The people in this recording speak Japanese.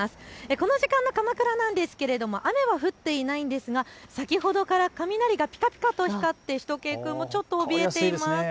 この時間の鎌倉なんですが雨は降っていないんですが、先ほどから雷がぴかぴかと光ってしゅと犬くんもちょっとおびえています。